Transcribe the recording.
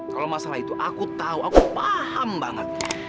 kalau masalah itu aku tahu aku paham banget